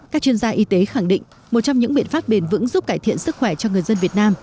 các chuyên gia y tế khẳng định một trong những biện pháp bền vững giúp cải thiện sức khỏe cho người dân việt nam